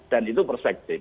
dan itu perspektif